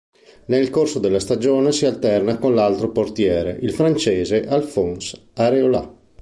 Nel corso della stagione si alterna con l'altro portiere, il francese Alphonse Areola.